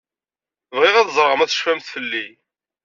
Bɣiɣ ad ẓreɣ ma tecfamt fell-i.